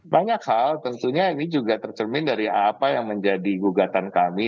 banyak hal tentunya ini juga tercermin dari apa yang menjadi gugatan kami